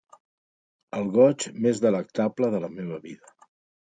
El goig més delectable de la meva vida.